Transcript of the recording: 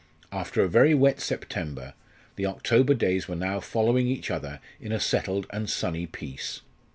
After a very wet September, the October days were now following each other in a settled and sunny peace.